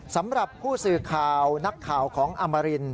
สำหรับผู้สื่อข่าวนักข่าวของอมริน